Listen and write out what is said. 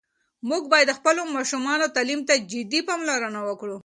موږ باید د خپلو ماشومانو تعلیم ته جدي پاملرنه وکړو.